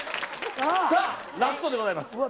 さあラストでございます。